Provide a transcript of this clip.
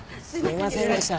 すいませんでした。